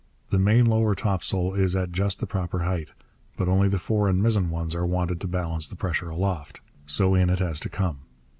The main lower topsail is at just the proper height. But only the fore and mizzen ones are wanted to balance the pressure aloft. So in it has to come.